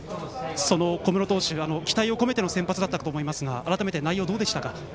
小室投手に期待を込めての先発だったと思いますが改めて内容はどうでしたか？